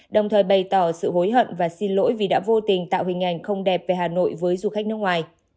đồng thời bày tỏ sự hối hận và xin lỗi vì đã vô tình tạo hình ảnh không đẹp về hà nội với du khách nước ngoài